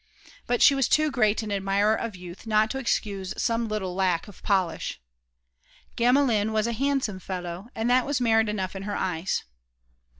But she was too great an admirer of youth not to excuse some little lack of polish. Gamelin was a handsome fellow, and that was merit enough in her eyes.